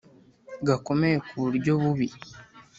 gakomeye ku buryo bubi